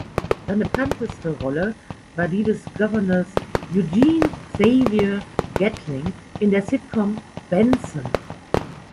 Seine bekannteste Rolle war die des Gouverneurs Eugene Xavier Gatling in der Sitcom "Benson".